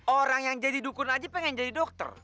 orang yang jadi dukun aja pengen jadi dokter